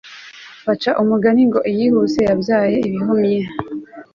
baca umugani ngo iyihuse ibyara ibihumye